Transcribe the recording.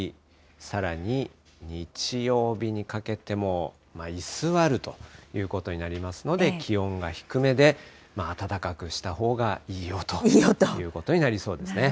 さらに日曜日にかけても居座るということになりますので、気温が低めで、暖かくしたほうがいいよということになりそうです。